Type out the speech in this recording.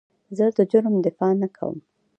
زه د جرم دفاع نه کوم.